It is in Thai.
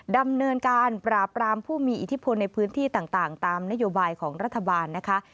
ดำเนินการปราบรามผู้มีอิทธิพลในพื้นที่ต่างตามนโยบายของรัฐบาลนะคะ